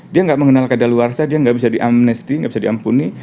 dia gak mengenal keadaan luar saya dia gak bisa diamnesty gak bisa diampuni